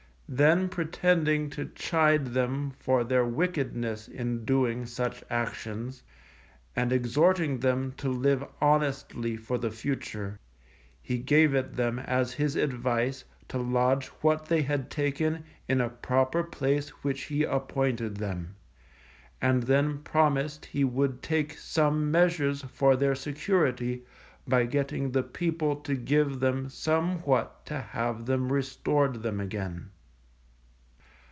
Then pretending to chide them for their wickedness in doing such actions, and exhorting them to live honestly for the future, he gave it them as his advice to lodge what they had taken in a proper place which he appointed them, and then promised he would take some measures for their security by getting the people to give them somewhat to have them restored them again.